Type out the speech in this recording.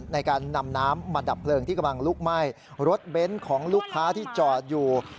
เธอมานี่เลย